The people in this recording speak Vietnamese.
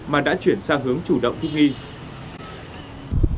mà đã chuyển sang hướng chủ động thích nghi